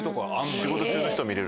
仕事中の人を見れる？